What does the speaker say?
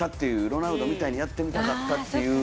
ロナウドみたいにやってみたかったという。